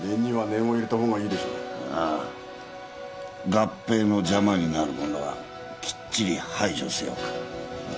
合併の邪魔になるものはきっちり排除せよか。